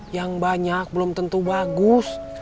yang banyak belum tentu bagus